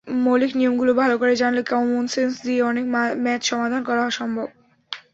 মৌলিক নিয়মগুলো ভালো করে জানলে কমনসেন্স দিয়ে অনেক ম্যাথ সমাধান করা সম্ভব।